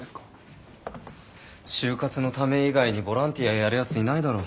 就活のため以外にボランティアやるやついないだろ。